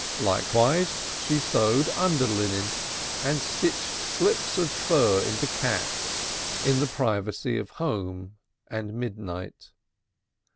Likewise she sewed underlinen and stitched slips of fur into caps in the privacy of home and midnight.